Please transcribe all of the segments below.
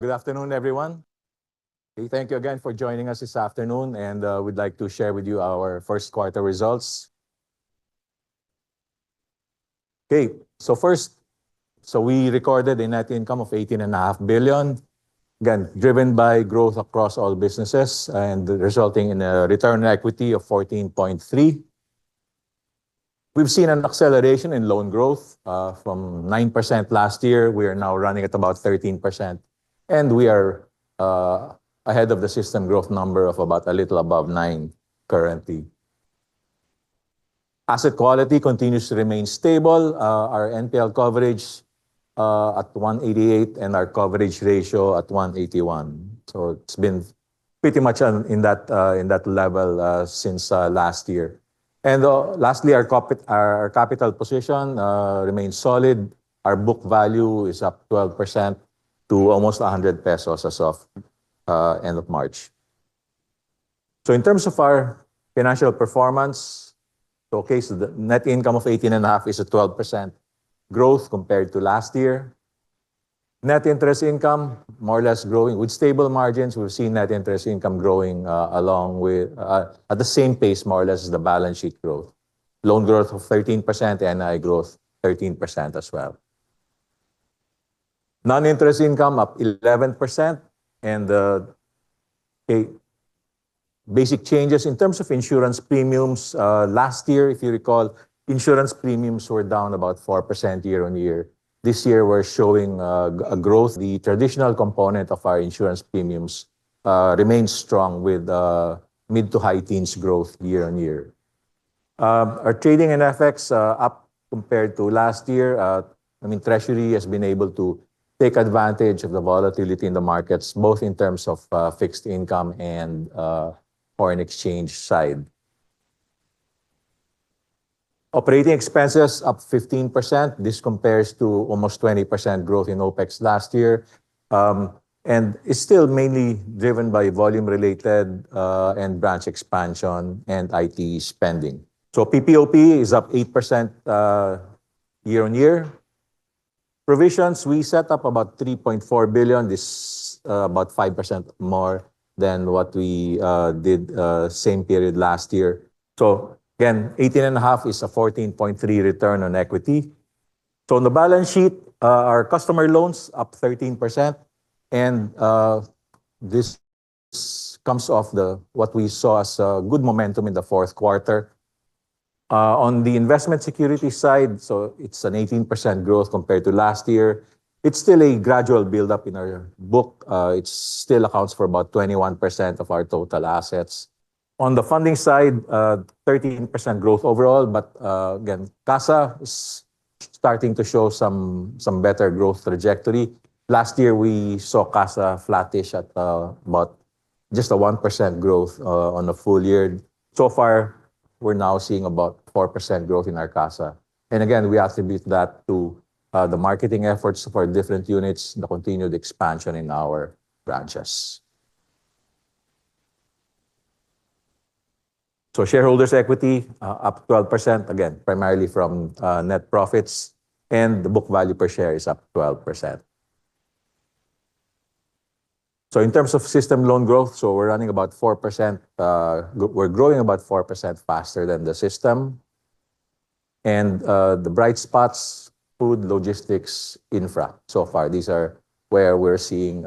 Good afternoon, everyone. Thank you again for joining us this afternoon. We’d like to share with you our first quarter results. First, we recorded a net income of 18.5 billion, again, driven by growth across all businesses and resulting in a return on equity of 14.3%. We’ve seen an acceleration in loan growth from 9% last year, we are now running at about 13%. We are ahead of the system growth number of about a little above 9 currently. Asset quality continues to remain stable. Our NPL coverage at 188% and our coverage ratio at 181%. It’s been pretty much in that level since last year. Lastly, our capital position remains solid. Our book value is up 12% to almost 100 pesos as of end of March. In terms of our financial performance, the net income of 18.5 billion is a 12% growth compared to last year. Net interest income, more or less growing with stable margins. We’ve seen net interest income growing at the same pace, more or less, as the balance sheet growth. Loan growth of 13%, NI growth 13% as well. Non-interest income up 11%. The basic changes in terms of insurance premiums, last year, if you recall, insurance premiums were down about 4% year-on-year. This year, we’re showing a growth. The traditional component of our insurance premiums remains strong with mid to high teens growth year-on-year. Our trading and FX up compared to last year. Treasury has been able to take advantage of the volatility in the markets, both in terms of fixed income and foreign exchange side. Operating expenses up 15%. This compares to almost 20% growth in OPEX last year. It’s still mainly driven by volume related and branch expansion and IT spending. PPOP is up 8% year-on-year. Provisions, we set up about 3.4 billion. This about 5% more than what we did same period last year. Again, 18.5 billion is a 14.3% return on equity. On the balance sheet, our customer loan’s up 13%. This comes off what we saw as good momentum in the fourth quarter. On the investment security side, it’s an 18% growth compared to last year. It’s still a gradual build up in our book. It still accounts for about 21% of our total assets. On the funding side, 13% growth overall. Again, CASA is starting to show some better growth trajectory. Last year we saw CASA flattish at about just a 1% growth on the full year. Far, we’re now seeing about 4% growth in our CASA. Again, we attribute that to the marketing efforts for different units and the continued expansion in our branches. Shareholders equity up 12%, again, primarily from net profits. The book value per share is up 12%. In terms of system loan growth, we’re growing about 4% faster than the system. The bright spots, food, logistics, infra. Far, these are where we’re seeing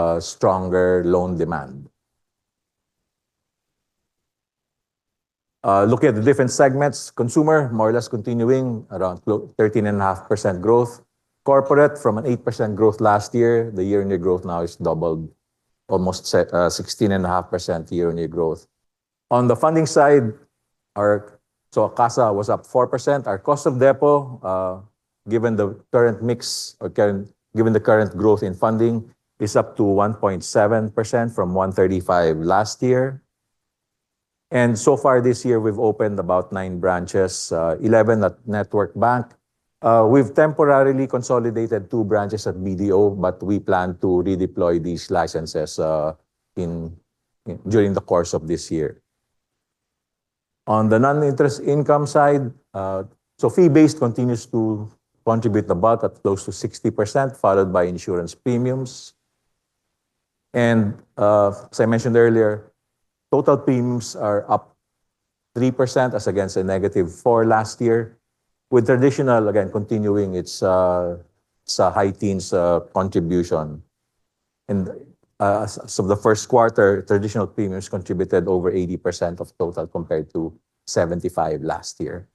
a stronger loan demand. Looking at the different segments, consumer more or less continuing around 13.5% growth. Corporate from an 8% growth last year, the year-on-year growth now is doubled, almost 16.5% year-on-year growth. On the funding side, CASA was up 4%. Our cost of deposits, given the current growth in funding, is up to 1.7% from 1.35% last year. So far this year, we've opened about nine branches, 11 at BDO Network Bank. We've temporarily consolidated two branches at BDO, but we plan to redeploy these licenses during the course of this year. On the non-interest income side, fee-based continues to contribute at close to 60%, followed by insurance premiums. As I mentioned earlier, total premiums are up 3% as against a negative 4% last year with traditional, again, continuing its high teens contribution. The first quarter, traditional premiums contributed over 80% of total compared to 75% last year.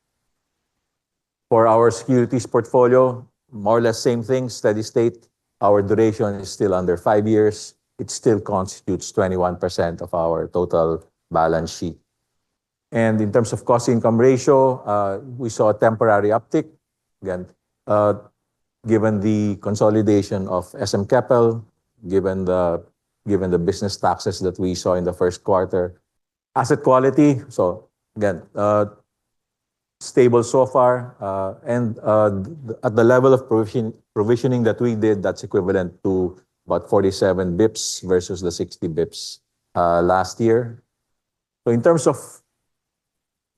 For our securities portfolio, more or less same thing, steady state. Our duration is still under five years. It still constitutes 21% of our total balance sheet. In terms of cost income ratio, we saw a temporary uptick again, given the consolidation of SM Capital, given the business taxes that we saw in the first quarter. Asset quality, again, stable so far, and at the level of provisioning that we did, that's equivalent to about 47 basis points versus the 60 basis points last year.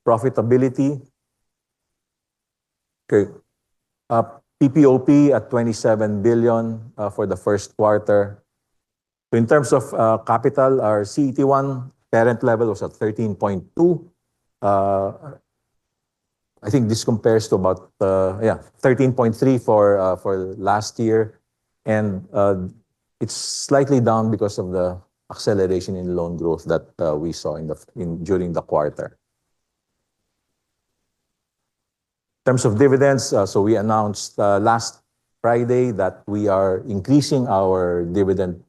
In terms of profitability. PPOP at 27 billion for the first quarter. In terms of capital, our CET1 parent level was at 13.2%. I think this compares to about 13.3% for last year, and it's slightly down because of the acceleration in loan growth that we saw during the quarter. In terms of dividends, we announced last Friday that we are increasing our dividend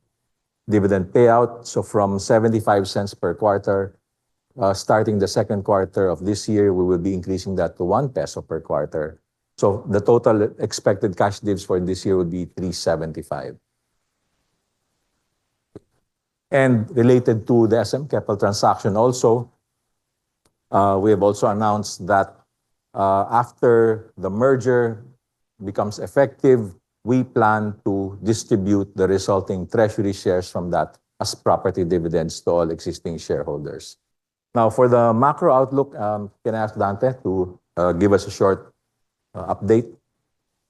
payout. From 0.75 per quarter, starting the second quarter of this year, we will be increasing that to 1 peso per quarter. The total expected cash divs for this year would be 3.75. Related to the SM Capital transaction also, we have also announced that after the merger becomes effective, we plan to distribute the resulting treasury shares from that as property dividends to all existing shareholders. Now for the macro outlook, can I ask Dante to give us a short update?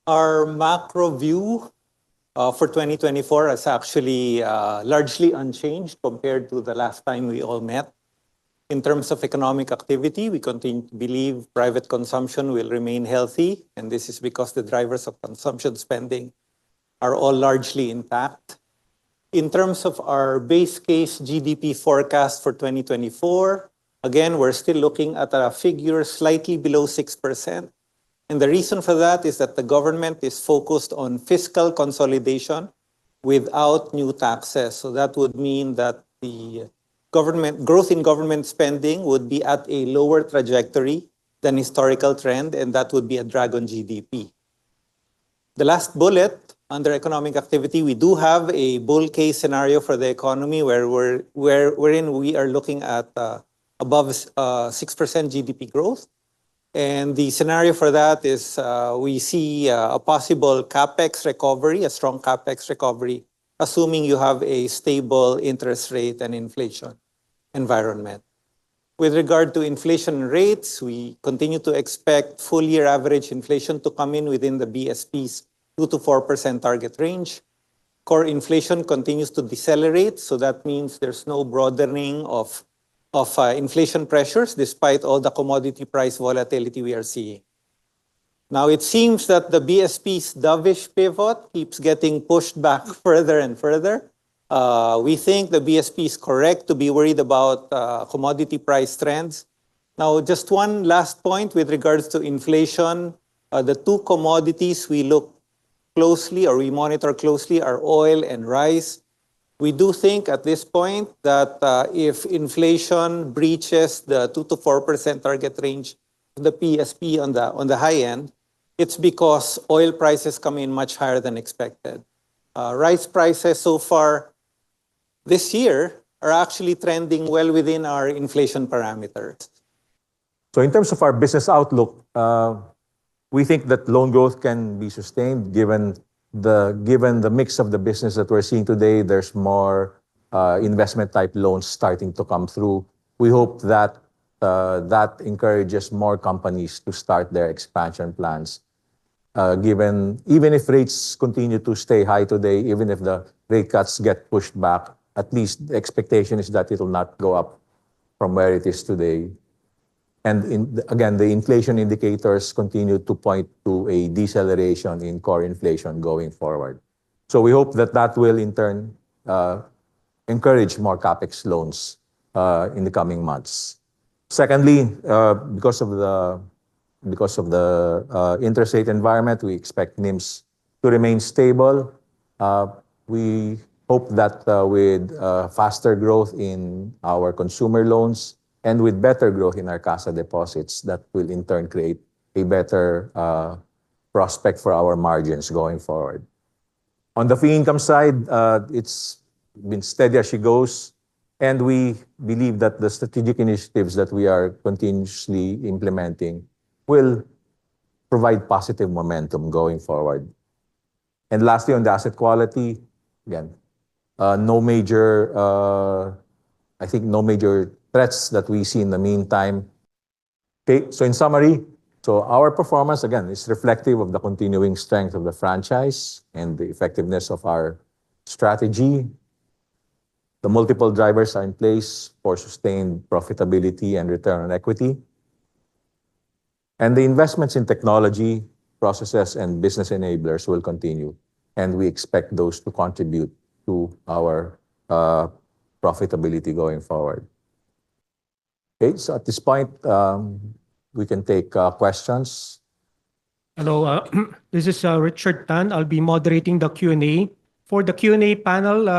Our macro view for 2024 is actually largely unchanged compared to the last time we all met. In terms of economic activity, we believe private consumption will remain healthy, and this is because the drivers of consumption spending are all largely intact. In terms of our base case GDP forecast for 2024, again, we're still looking at a figure slightly below 6%, and the reason for that is that the government is focused on fiscal consolidation without new taxes. That would mean that the growth in government spending would be at a lower trajectory than historical trend, and that would be a drag on GDP. The last bullet under economic activity, we do have a bull case scenario for the economy wherein we are looking at above 6% GDP growth, the scenario for that is we see a possible CapEx recovery, a strong CapEx recovery, assuming you have a stable interest rate and inflation environment. With regard to inflation rates, we continue to expect full year average inflation to come in within the BSP's 2%-4% target range. Core inflation continues to decelerate, that means there's no broadening of inflation pressures despite all the commodity price volatility we are seeing. It seems that the BSP's dovish pivot keeps getting pushed back further and further. We think the BSP's correct to be worried about commodity price trends. Just one last point with regards to inflation. The two commodities we look closely or we monitor closely are oil and rice. We do think at this point that if inflation breaches the 2%-4% target range, the BSP on the high end, it's because oil prices come in much higher than expected. Rice prices so far this year are actually trending well within our inflation parameters. In terms of our business outlook, we think that loan growth can be sustained given the mix of the business that we're seeing today. There's more investment type loans starting to come through. We hope that encourages more companies to start their expansion plans. Even if rates continue to stay high today, even if the rate cuts get pushed back, at least the expectation is that it'll not go up from where it is today. Again, the inflation indicators continue to point to a deceleration in core inflation going forward. We hope that that will in turn encourage more CapEx loans in the coming months. Secondly, because of the interest rate environment, we expect NIMS to remain stable. We hope that with faster growth in our consumer loans and with better growth in our CASA deposits, that will in turn create a better prospect for our margins going forward. On the fee income side, it's been steady as she goes, we believe that the strategic initiatives that we are continuously implementing will provide positive momentum going forward. Lastly, on the asset quality, again, I think no major threats that we see in the meantime. In summary, our performance again, is reflective of the continuing strength of the franchise and the effectiveness of our strategy. The multiple drivers are in place for sustained profitability and return on equity. The investments in technology, processes, and business enablers will continue, and we expect those to contribute to our profitability going forward. At this point, we can take questions. Hello. This is Richard Tan. I'll be moderating the Q&A. For the Q&A panel,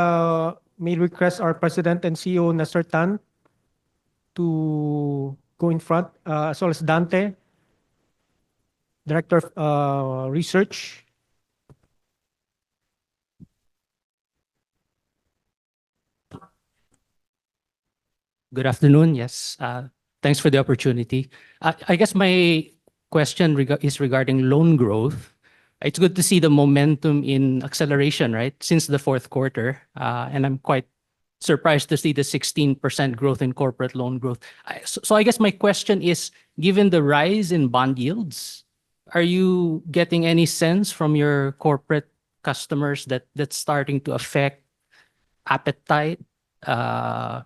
may request our President and CEO, Nestor Tan, to go in front, as well as Dante, Director of Research. Good afternoon. Yes. Thanks for the opportunity. I guess my question is regarding loan growth. It's good to see the momentum in acceleration, right, since the fourth quarter. Surprised to see the 16% growth in corporate loan growth. I guess my question is, given the rise in bond yields, are you getting any sense from your corporate customers that that's starting to affect appetite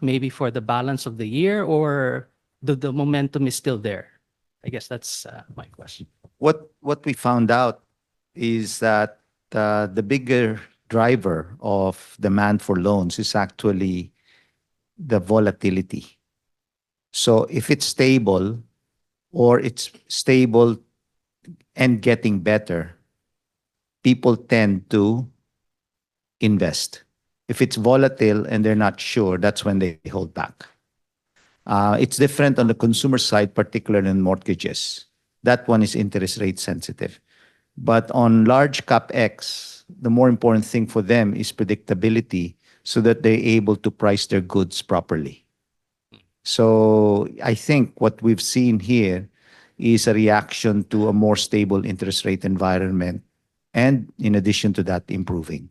maybe for the balance of the year, or the momentum is still there? I guess that's my question. What we found out is that the bigger driver of demand for loans is actually the volatility. If it's stable or it's stable and getting better, people tend to invest. If it's volatile and they're not sure, that's when they hold back. It's different on the consumer side, particularly in mortgages. That one is interest rate sensitive. On large CapEx, the more important thing for them is predictability so that they're able to price their goods properly. I think what we've seen here is a reaction to a more stable interest rate environment, and in addition to that, improving.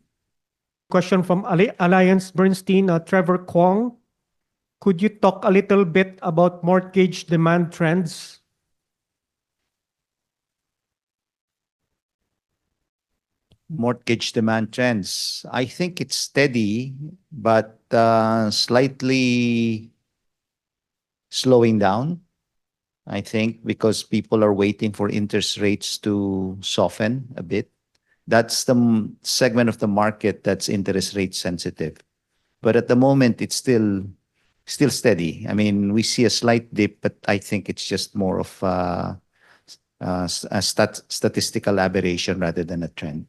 Question from AllianceBernstein, Trevor Kwong. Could you talk a little bit about mortgage demand trends? Mortgage demand trends. I think it's steady, but slightly slowing down, I think, because people are waiting for interest rates to soften a bit. That's the segment of the market that's interest rate sensitive. At the moment, it's still steady. We see a slight dip, but I think it's just more of a statistical aberration rather than a trend.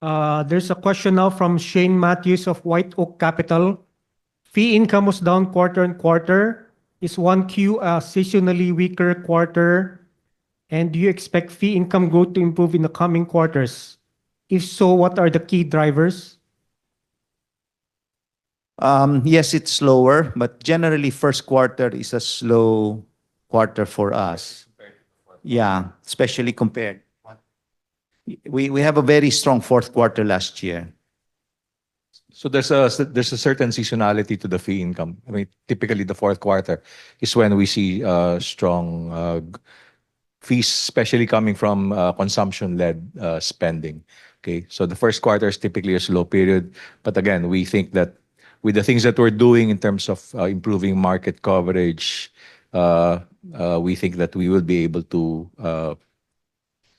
There's a question now from Shane Mathews of White Oak Capital. Fee income was down quarter and quarter. Is 1Q a seasonally weaker quarter? Do you expect fee income growth to improve in the coming quarters? If so, what are the key drivers? Yes, it's slower, generally first quarter is a slow quarter for us. Compared to the fourth. Yeah, especially compared. We have a very strong fourth quarter last year. There's a certain seasonality to the fee income. Typically, the fourth quarter is when we see strong fees, especially coming from consumption-led spending. Okay. The first quarter is typically a slow period. Again, we think that with the things that we're doing in terms of improving market coverage, we think that we will be able to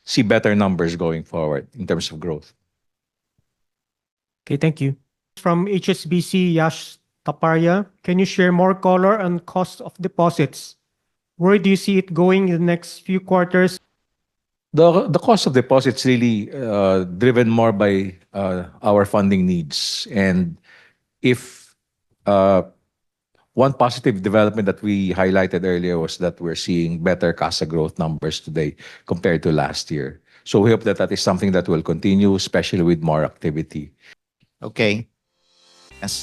see better numbers going forward in terms of growth. Okay, thank you. From HSBC, Yash Taparia. Can you share more color on cost of deposits? Where do you see it going in the next few quarters? The cost of deposits really driven more by our funding needs. One positive development that we highlighted earlier was that we're seeing better CASA growth numbers today compared to last year. We hope that that is something that will continue, especially with more activity. Okay.